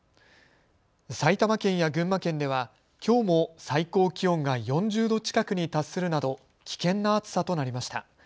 埼玉県や群馬県ではきょうも最高気温が４０度近くに達するなど危険な暑さとなりました。